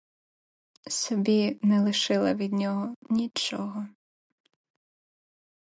Собі не лишила від нього нічого.